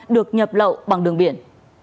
được nhập lậu bằng đường biển